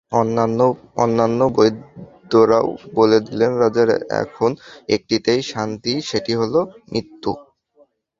অন্যান্য বৈদ্যরাও বলে দিলেন- রাজার এখন একটিতেই শান্তি, আর সেটি হল মৃত্যু।